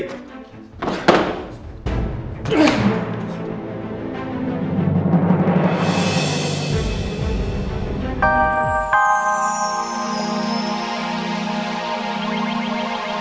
jatoh di dalam